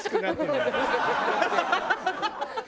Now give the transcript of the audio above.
ハハハハ！